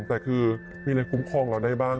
แต่คือมีอะไรคุ้มครองเราได้บ้าง